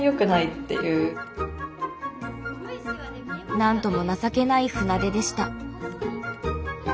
なんとも情けない船出でした。